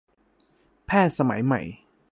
แพทย์สมัยใหม่